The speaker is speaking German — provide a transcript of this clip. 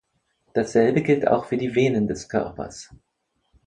Dasselbe gilt auch für die Venen des Körpers.